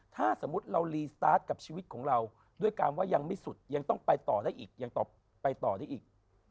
ถ้าสมมุติเรารีสตาร์ทกับชีวิตของเราด้วยการว่ายังไม่สุดยังต้องไปต่อได้อีกยังต่อไปต่อได้อีก